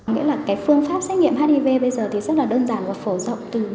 nghĩa là cái phương pháp xét nghiệm hiv bây giờ thì rất là đơn giản và phổ rộng